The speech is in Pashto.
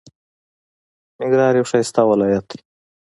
ننګرهار یو ښایسته ولایت دی.